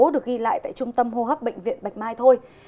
được ghi lại tại trung tâm hô hấp bệnh viện bạch mai thôi